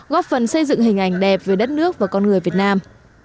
góp phần xây dựng hình ảnh đẹp về đất nước và con người việt nam